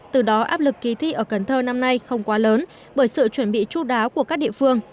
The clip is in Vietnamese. từ đó áp lực kỳ thi ở cần thơ năm nay không quá lớn bởi sự chuẩn bị chú đáo của các địa phương